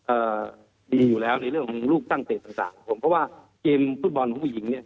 เอ่อดีอยู่แล้วในเรื่องของลูกตั้งเตะต่างต่างผมเพราะว่าเกมฟุตบอลของผู้หญิงเนี้ย